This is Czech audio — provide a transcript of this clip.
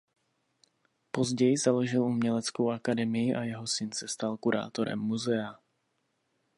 Později založil uměleckou akademii a jeho syn se stal kurátorem muzea.